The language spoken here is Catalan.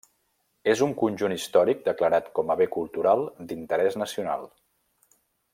És un conjunt històric declarat com a bé cultural d'interès nacional.